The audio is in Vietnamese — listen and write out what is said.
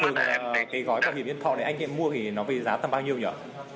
nhưng mà thường cái gói bảo hiểm nhân thọ này anh mua thì nó về giá tầm bao nhiêu nhở